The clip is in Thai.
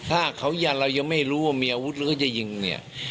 ถ้าเขายังเรายังไม่รู้ว่ามีอาวุธหรือเขาจะยิงเนี่ย